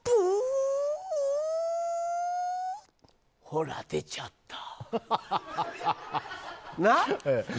ほら、出ちゃった。